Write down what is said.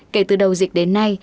kể từ đầu dịch đến nay